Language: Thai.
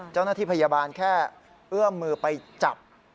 เจ้าหน้าที่พยาบาลแค่เอื้อมมือไปจับ